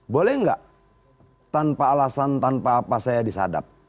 boleh nggak tanpa alasan tanpa apa saya disadap